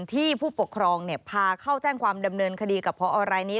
ผู้ปกครองพาเข้าแจ้งความดำเนินคดีกับพอรายนี้